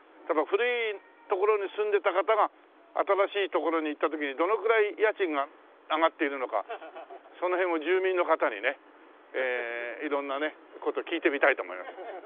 古いところに住んでた方が新しいところに行った時にどのくらい家賃が上がっているのかその辺を住民の方にね色んな事聞いてみたいと思います。